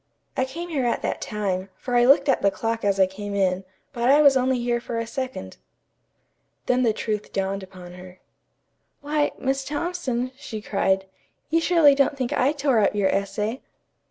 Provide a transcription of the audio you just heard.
I came here at that time, for I looked at the clock as I came in, but I was only here for a second." Then the truth dawned upon her. "Why, Miss Thompson," she cried, "you surely don't think I tore up your essay?"